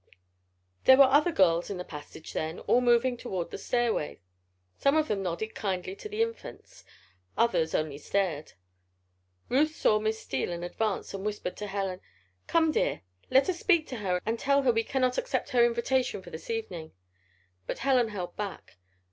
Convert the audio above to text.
There were other girls in the passage then, all moving toward the stairway. Some of them nodded kindly to the Infants. Others only stared. Ruth saw Miss Steele in advance, and whispered to Helen: "Come, dear; let us speak to her and tell her we cannot accept her Invitation for this evening." But Helen held back.